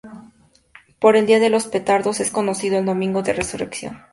Por el día de los Petardos es conocido el Domingo de Resurrección.